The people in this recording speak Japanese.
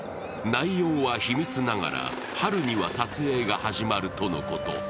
内容は秘密ながら、春には撮影が始まるとのこと。